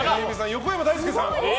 横山だいすけさん。